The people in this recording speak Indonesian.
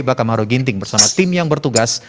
bakamaro ginting bersama tim yang bertugas